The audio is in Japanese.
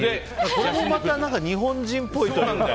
それもまた日本人っぽいというか。